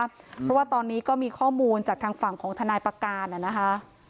เพราะว่าตอนนี้ก็มีข้อมูลจากทางฝั่งของทนายประการนะคะ